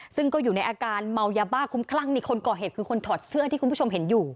ซึ่งก็อยู่ในอาการเมายาบ้าคุ้มคลั่งนี่คนก่อเหตุคือคนถอดเสื้อที่คุณผู้ชมเห็นอยู่